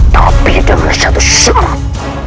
tapi dengan satu syarat